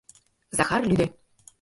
— Захар лӱдӧ